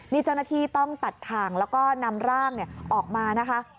นี่เจ้าหน้าที่ต้องตัดถ่างแล้วก็นำร่างออกมานะคะ